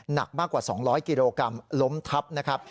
หนักมากกว่า๒๐๐กิโลกรัมล้มทับนะครับ